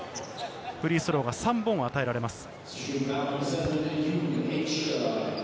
フリースローが３本与えられます。